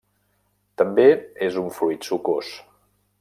També és un fruit sucós.